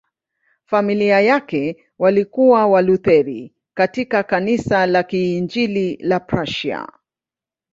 Familia yake walikuwa Walutheri katika Kanisa la Kiinjili la Prussia.